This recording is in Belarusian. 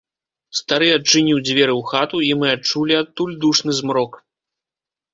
Стары адчыніў дзверы ў хату, і мы адчулі адтуль душны змрок.